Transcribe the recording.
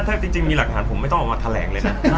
ถ้าจริงมีหลักฐานผมไม่ต้องออกมาแถลงเลยนะ